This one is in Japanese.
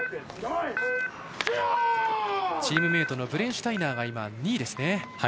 チームメートのブレンシュタイナーが２位ですね。